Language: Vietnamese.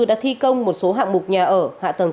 đã thi công một số hạng mục nhà ở hạ tầng